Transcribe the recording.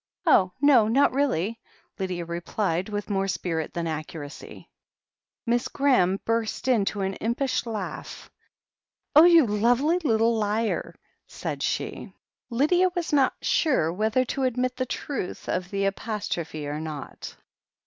"Oh, no, not really," Lydia replied, with more spirit than accuracy. Miss Graham burst into an impish laugh. "Oh, you lovely little liar l" said she. 122 THE HEEL OF ACHILLES Lydia was not sure whether to admit the truth of the apostrophe or not.